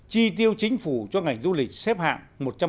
chi tiêu chính phủ cho ngành du lịch xếp hạng một trăm một mươi bốn